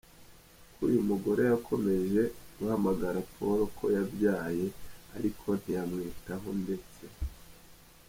ko uyu mugore yakomeje guhamagara Paul ko yabyaye ariko ntiyamwitaho ndetse.